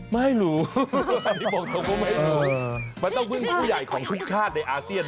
ไม่รู้มันต้องเป็นผู้ใหญ่ของทุกชาติในอาเซียน